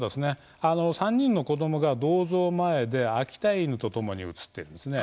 ３人の子どもが銅像前で秋田犬とともに写っています。